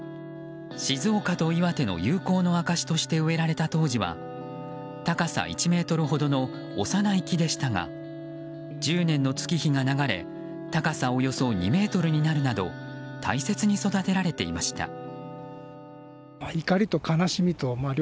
静岡と岩手の友好の証しとして植えられた当時は高さ１ｍほどの幼い木でしたが１０年の月日が流れ高さおよそ２ｍになるなど大切に育てられていました。